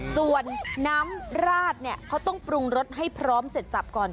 ส่วนน้ำราดเนี่ยเขาต้องปรุงรสให้พร้อมเสร็จสับก่อน